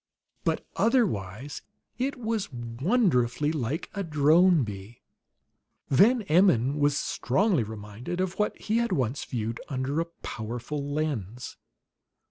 But otherwise it was wonderfully like a drone bee. Van Emmon was strongly reminded of what he had once viewed under a powerful lens.